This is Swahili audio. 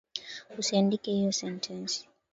Usiandike hiyo sentensi